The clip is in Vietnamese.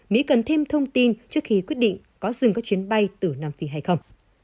mỹ cần thêm thông tin trước khi quyết định có dừng các chuyến bay từ nam phi hay không